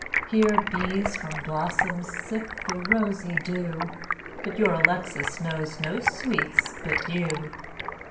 Here bees from blossoms sip the rosy dew, But your Alexis knows no sweets but you.